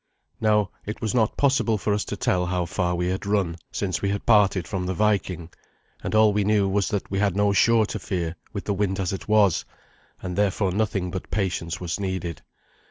Now it was not possible for us to tell how far we had run since we had parted from the Viking, and all we knew was that we had no shore to fear with the wind as it was, and therefore nothing but patience was needed.